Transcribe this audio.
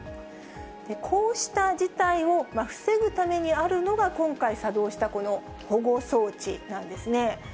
こうした事態を防ぐためにあるのが、今回作動した、この保護装置なんですね。